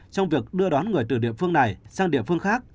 trong việc đưa đón người từ địa phương này sang địa phương khác